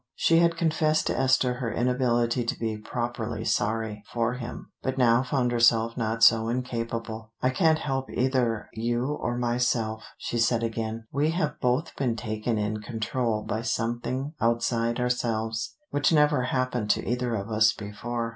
She had confessed to Esther her inability to be "properly sorry" for him, but now found herself not so incapable. "I can't help either you or myself," she said again. "We have both been taken in control by something outside ourselves, which never happened to either of us before.